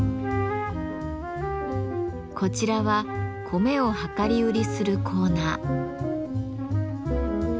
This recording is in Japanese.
こちらは米を量り売りするコーナー。